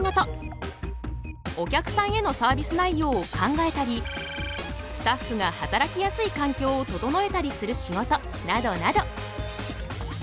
お客さんへのサービス内容を考えたりスタッフが働きやすい環境を整えたりする仕事などなど。